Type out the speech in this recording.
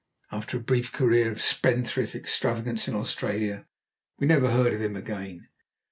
After a brief career of spendthrift extravagance in Australia, we never heard of him again.